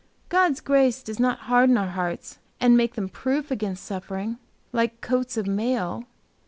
God's grace does not harden our hearts, and make them proof against suffering, like coats of mail.